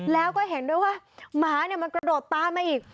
แล้วก็เห็นด้วยว่าหมาเนี่ยมันกระโดดตามมาอีก